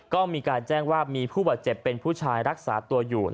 ก็มีการแจ้งว่ามีผู้บาดเจ็บเป็นผู้ชายรักษาตัวอยู่